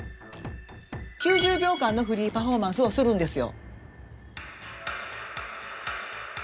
９０秒間のフリーパフォーマンスをするんですよ。